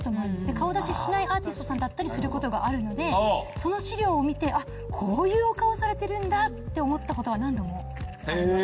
顔出ししないアーティストさんだったりすることがあるのでその資料を見てこういうお顔されてるんだって思ったことは何度もあります。